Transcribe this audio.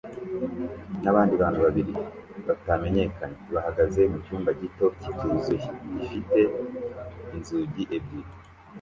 nabandi bantu babiri batamenyekanye bahagaze mucyumba gito kituzuye gifite inzugi ebyiri